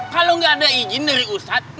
kalo gak ada izin dari ustadz